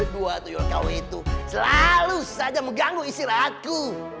dua tuyul kau itu selalu saja mengganggu istri aku